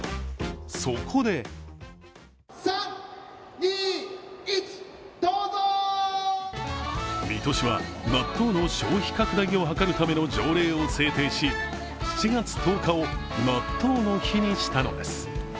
そこで水戸市は納豆の消費拡大を図るための条例を制定し７月１０日を納豆の日にしたのです。